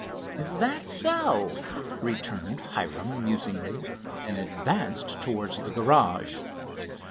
"Is that so?" returned Hiram musingly, and advanced towards the garage.